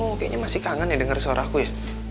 oh kayaknya masih kangen ya denger suara aku ya